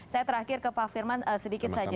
saya terakhir ke pak firman sedikit saja